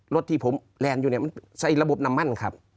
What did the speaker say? รถที่ผมแลนด์อยู่เนี่ยมันใส่ระบบนำมั่นครับ